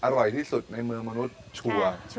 อร่อยที่สุดในเมืองมนุษย์ชัวร์